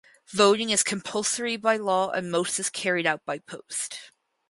Voting is compulsory by law and most is carried out by post.